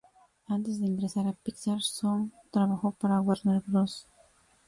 Antes de ingresar a Pixar, Sohn trabajó para Warner Bros.